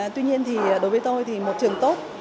tuy nhiên thì đối với tôi thì một trường tốt